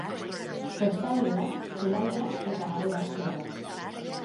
Kostaldea zelaia eta hareatsua da.